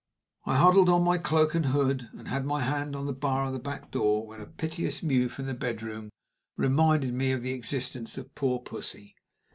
I huddled on my cloak and hood, and had my hand on the bar of the back door, when a piteous mew from the bedroom reminded me of the existence of poor Pussy.